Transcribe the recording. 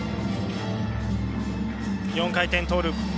４回転トーループ。